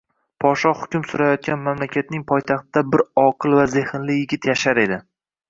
Podshoh hukm surayotgan mamlakatning poytaxtida bir oqil va zehnli yigit yashar edi